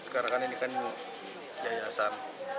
karena kan ini kan yayasan